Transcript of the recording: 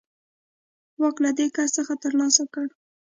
واک له دې کس څخه ترلاسه کړ.